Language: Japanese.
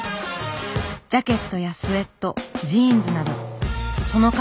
ジャケットやスウェットジーンズなどその数